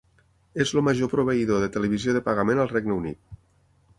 És el major proveïdor de televisió de pagament al Regne Unit.